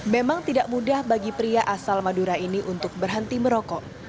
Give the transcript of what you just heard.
memang tidak mudah bagi pria asal madura ini untuk berhenti merokok